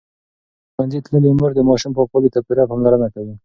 ښوونځې تللې مور د ماشوم پاکوالي ته پوره پاملرنه کوي.